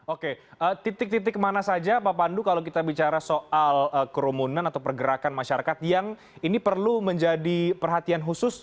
oke titik titik mana saja pak pandu kalau kita bicara soal kerumunan atau pergerakan masyarakat yang ini perlu menjadi perhatian khusus